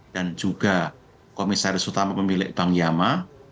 dan juga komisaris utama pemilik bank hiama